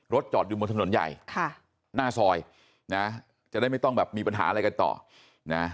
จอดอยู่บนถนนใหญ่ค่ะหน้าซอยนะจะได้ไม่ต้องแบบมีปัญหาอะไรกันต่อนะ